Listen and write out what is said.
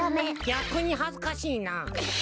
ぎゃくにはずかしいな。